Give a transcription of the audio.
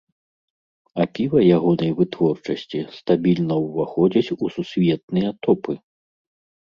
А піва ягонай вытворчасці стабільна ўваходзіць у сусветныя топы.